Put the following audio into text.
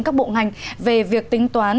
các bộ ngành về việc tính toán